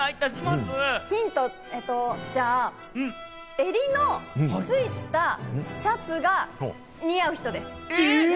襟のついたシャツが似合う人です。